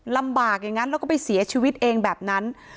อย่างนั้นแล้วก็ไปเสียชีวิตเองแบบนั้น